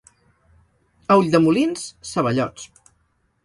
A Ulldemolins, ceballots.